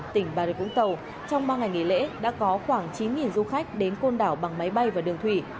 trong ba ngày nghỉ lễ đã có khoảng chín du khách đến con đảo bằng máy bay và đường thủy